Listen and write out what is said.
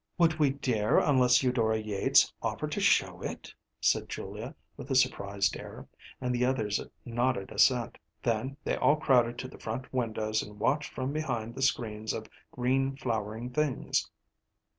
“Would we dare unless Eudora Yates offered to show it?‚ÄĚ said Julia, with a surprised air; and the others nodded assent. Then they all crowded to the front windows and watched from behind the screens of green flowering things.